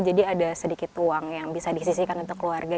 jadi ada sedikit uang yang bisa disisikan untuk keluarga